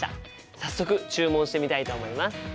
早速注文してみたいと思います。